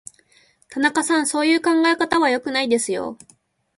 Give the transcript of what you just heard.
田中さん、そういう考え方は良くないですよ。